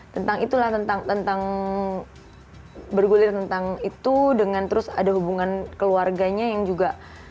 tentang itulah tentang tentang bergulir tentang itu dengan terus ada hubungan keluarganya yang juga